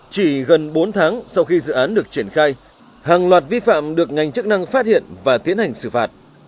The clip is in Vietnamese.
chỉ gần bốn tháng sau khi dự án được triển khai hàng loạt vi phạm được ngành chức năng phát hiện và tiến hành xử phạt